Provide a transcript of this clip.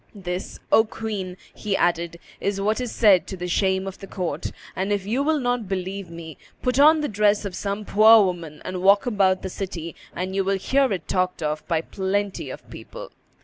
This, O queen," he added, "is what is said to the shame of the court; and, if you will not believe me, put on the dress of some poor woman and walk about the city, and you will hear it talked of by plenty of people."